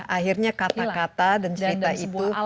akhirnya kata kata dan cerita itu